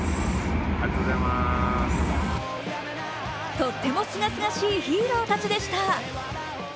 とってもすがすがしいヒーローたちでした。